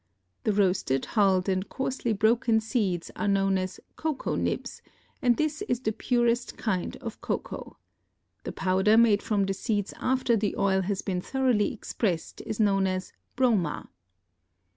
The roasted, hulled and coarsely broken seeds are known as cocoa nibs, and this is the purest kind of cocoa. The powder made from the seeds after the oil has been thoroughly expressed is known as broma.